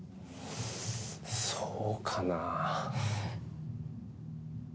そうかなぁ？